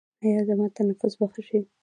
ایا زما تنفس به ښه شي؟